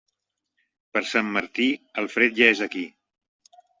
Per Sant Martí, el fred ja és aquí.